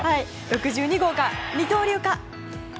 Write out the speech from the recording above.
６２号が二刀流か。